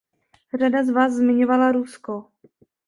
Řada z vás zmiňovala Rusko.